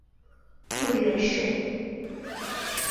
母袁氏。